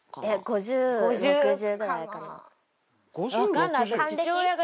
わかんない。